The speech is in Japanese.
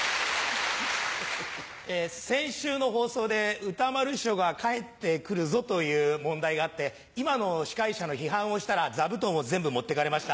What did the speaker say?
先週の放送で「歌丸師匠が帰ってくるぞ」という問題があって今の司会者の批判をしたら座布団を全部持ってかれました。